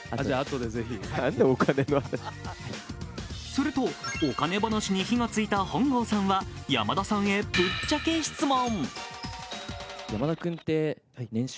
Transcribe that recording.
すると、お金話に火が付いた本郷さんは山田さんへぶっちゃけ質問。